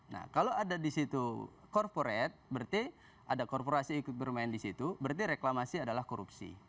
nah kalau ada disitu corporate berarti ada korporasi ikut bermain disitu berarti reklamasi adalah korupsi